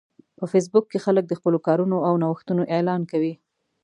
په فېسبوک کې خلک د خپلو کارونو او نوښتونو اعلان کوي